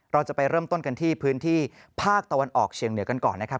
เราจะไปเริ่มต้นกันที่พื้นที่ภาคตะวันออกเชียงเหนือกันก่อนนะครับ